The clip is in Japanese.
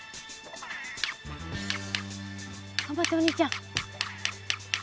がんばってお兄ちゃん。